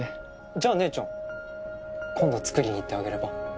じゃあ姉ちゃん今度作りに行ってあげれば？